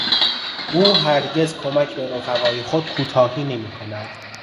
او هرگز کمک به رفقای خود کوتاهی نمیکند.